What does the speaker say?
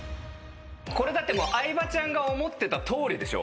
これだって相葉ちゃんが思ってたとおりでしょ？